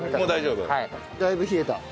だいぶ冷えた。